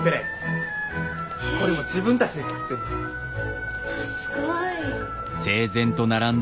これも自分たちで作ってんねん。